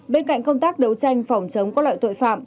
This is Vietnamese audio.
bên cạnh công tác đấu tranh phòng chống các loại tội phạm